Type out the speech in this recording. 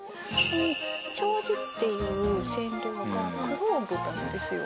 丁子っていう染料がクローブなんですよ